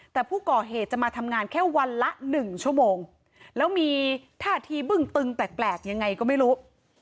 แต่ผู้ก่อเหตุจะมาทำงานแค่วันละ๑ชั่วโมงแล้วมีท่าทีบึ้งตึงแปลกยังไงก็ไม่รู้